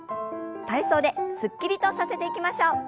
体操ですっきりとさせていきましょう。